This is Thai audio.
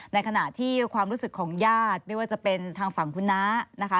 ในขณะที่ความรู้สึกของญาติไม่ว่าจะเป็นทางฝั่งคุณน้านะคะ